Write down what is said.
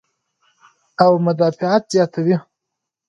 او مدافعت زياتوي -